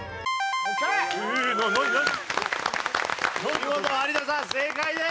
見事有田さん正解です！